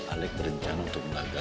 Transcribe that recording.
alex berencana untuk mengagakkan